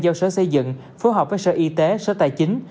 giao sở xây dựng phối hợp với sở y tế sở tài chính